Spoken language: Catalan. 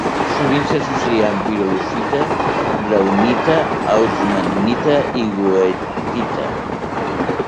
Sovint s'associa amb pirolusita, braunita, hausmannita i goethita.